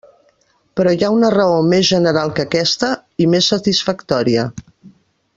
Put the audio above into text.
Però hi ha una raó més general que aquesta, i més satisfactòria.